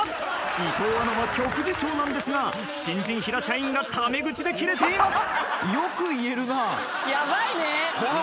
伊藤アナは局次長なんですが新人平社員がタメ口でキレています。